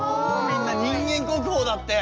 みんな人間国宝だって！